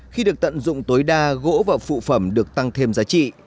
khi được tận dụng tối đa gỗ và phụ phẩm được tăng thêm giá trị